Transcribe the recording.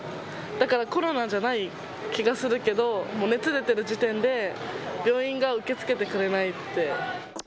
だからコロナじゃない気がするけど、熱出てる時点で病院が受け付けてくれないって。